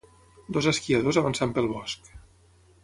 Dos esquiadors avançant pel bosc.